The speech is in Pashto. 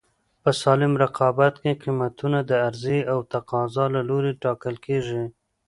په سالم رقابت کې قیمتونه د عرضې او تقاضا له لورې ټاکل کېږي.